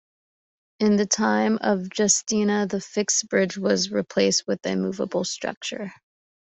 In the time of Justinian the fixed bridge was replaced with a movable structure.